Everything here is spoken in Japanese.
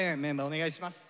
お願いします。